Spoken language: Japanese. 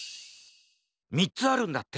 ３つあるんだって！